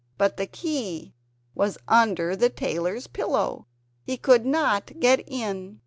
But the key was under the tailor's pillow; he could not get in.